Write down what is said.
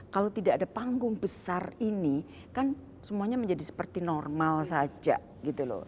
kalau tidak ada panggung besar ini kan semuanya menjadi seperti normal saja gitu loh